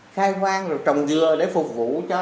khai hoang rồi trồng rửa để phục vụ cho